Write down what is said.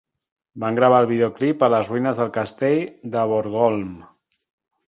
Van gravar el videoclip a les ruïnes del castell de Borgholm.